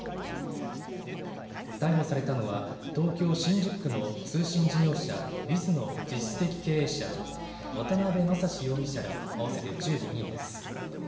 逮捕されたのは東京新宿区の通信事業者、ＢＩＳの実質的経営者、渡部雅史容疑者ら合わせて１５人です。